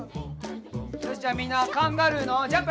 よしじゃあみんなカンガルーのジャンプ！